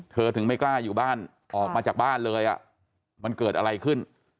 ถึงไม่กล้าอยู่บ้านออกมาจากบ้านเลยมันเกิดอะไรขึ้น